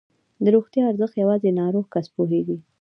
د روغتیا ارزښت یوازې ناروغ کس پوهېږي.